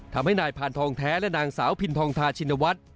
ทำให้นายพานทองแท้และนางสาวพินทองทาชินวัฒน์